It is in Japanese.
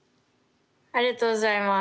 ありがとうございます。